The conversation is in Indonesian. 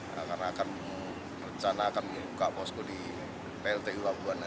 karena akan rencana akan membuka posku di pltu